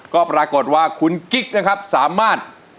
ก็ปรากฏว่าคุณกิ๊กนะครับสามารถ